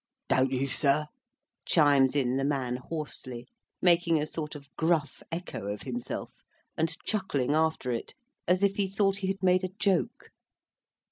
"Don't you, sir?" chimes in the man hoarsely, making a sort of gruff echo of himself, and chuckling after it, as if he thought he had made a joke.